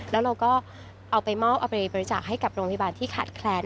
แล้วเราก็เอาไปมอบเอาไปบริจาคให้กับโรงพยาบาลที่ขาดแคลน